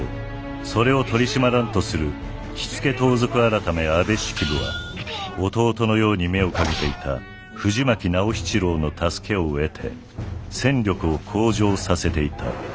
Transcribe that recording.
それを取り締まらんとする火付盗賊改安部式部は弟のように目をかけていた藤巻直七郎の助けを得て戦力を向上させていた。